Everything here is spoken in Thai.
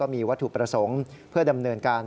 มีวัตถุประสงค์เพื่อดำเนินการ